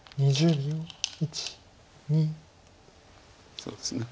そうですね。